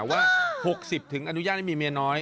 ว่า๖๐ถึงอนุญาตให้มีเมียน้อย